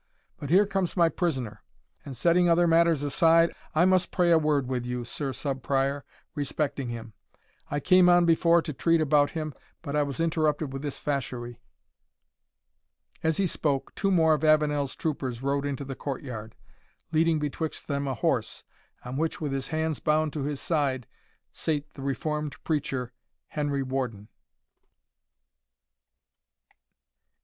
But here comes my prisoner; and, setting other matters aside, I must pray a word with you, Sir Sub Prior, respecting him. I came on before to treat about him, but I was interrupted with this fasherie." As he spoke, two more of Avenel's troopers rode into the court yard, leading betwixt them a horse, on which, with his hands bound to his side, sate the reformed preacher, Henry Warden.